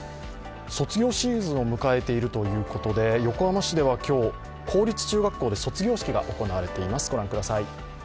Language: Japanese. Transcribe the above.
卒業シーズンを迎えているということで横浜市では今日、公立中学校で卒業式が行われています。